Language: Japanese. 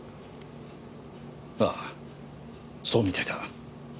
ああそうみたいだ。